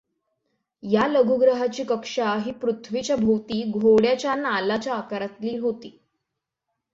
या लघुग्रहाची कक्षा ही पृथ्वीच्या भोवती घोड्याच्या नालाच्या आकारातील होती.